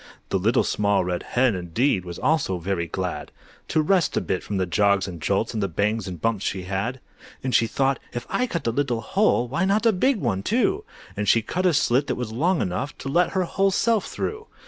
The Little Small Red Hen, indeed, Was also very glad To rest a bit from the jogs and jolts' And the bangs and bumps she'd had. And she thought, "If I cut a little hole, Why not a big one too?" And she cut a slit that was long enough To let her whole self through!